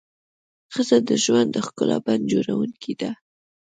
ښځه د ژوند د ښکلا بڼ جوړونکې ده.